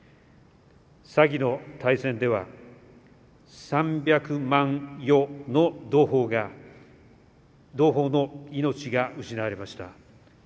先の大戦では、三百万余の同胞の命が失われました。